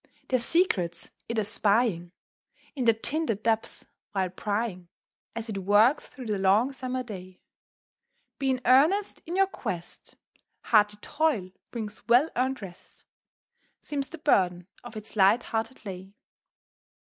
their secrets it espying In their tinted depths while prying, As it works thro' the long summer day; "Be in earnest in your quest, Hearty toil brings well earned rest," Seems the burden of its light hearted lay.